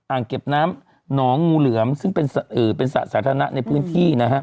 เก็บน้ำหนองงูเหลือมซึ่งเป็นสระสาธารณะในพื้นที่นะฮะ